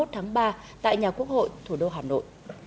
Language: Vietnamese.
một tháng ba tại nhà quốc hội thủ đô hà nội